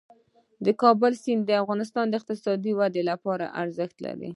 د کابل سیند د افغانستان د اقتصادي ودې لپاره ارزښت لري.